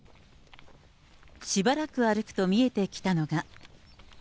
しばらく歩くと見えてきたのが。